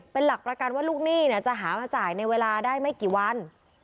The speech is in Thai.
เป็นหลักประกันว่าลูกหนี้จะหามาจ่ายในเวลาได้ไม่กี่วัน